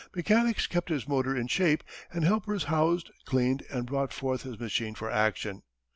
Mechanics kept his motor in shape, and helpers housed, cleaned, and brought forth his machine for action.